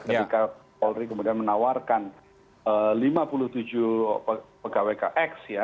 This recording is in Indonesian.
ketika polri kemudian menawarkan lima puluh tujuh pegawai kx ya